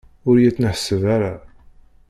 Ur yettneḥsab ara.